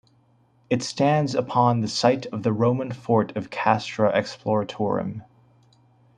It stands upon the site of the Roman fort of Castra Exploratorum.